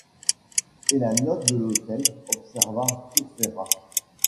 Et la note de l’hôtel? observa Courfeyrac.